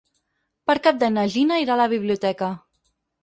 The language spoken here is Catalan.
Per Cap d'Any na Gina irà a la biblioteca.